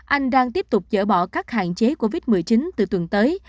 anh đang tiếp tục dỡ bỏ các hạn chế covid một mươi chín từ tuần tới